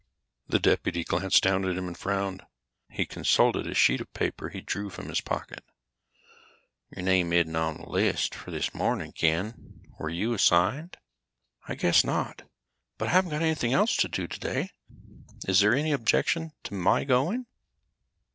The deputy glanced down at him and frowned. He consulted a sheet of paper he drew from his pocket. "Your name isn't on the list for this morning, Ken. Were you assigned?" "I guess not, but I haven't got anything else to do today. Is there any objection to my going?"